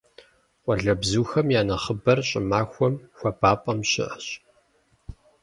Къуалэбзухэм я нэхъыбэр щӀымахуэм хуабапӀэм щыӀэщ.